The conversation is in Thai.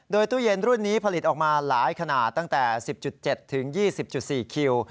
โดยตู้เย็นรุ่นนี้ผลิตออกมาหลายขนาดตั้งแต่๑๐๗๒๐๔คิว